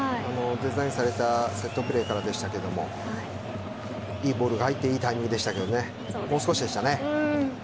デザインされたセットプレーからでしたがいいボールが入っていいタイミングでしたけどね。